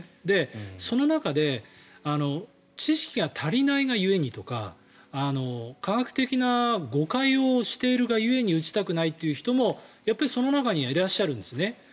その中で知識が足りないが故にとか科学的な誤解をしているが故に打ちたくないという人もやっぱりその中にはいらっしゃるんですね。